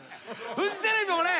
フジテレビもね